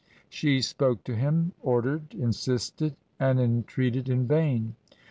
She spoke to him, ordered, insisted, and entreated in vain.